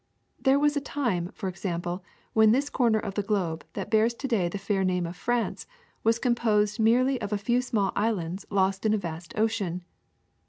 ^' There was a time, for example, when this comer of the globe that bears to day the fair name of France was composed merely of a few small islands lost in a vast ocean.